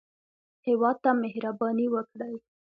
هېواد ته مهرباني وکړئ